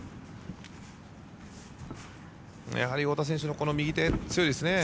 やはり太田選手の右手強いですね。